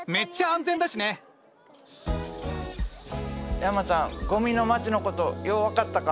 山ちゃんゴミの町のことよう分かったか？